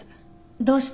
どうして？